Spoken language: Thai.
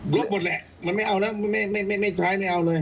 บลพหมดแหละแม่เอาไม่ใช้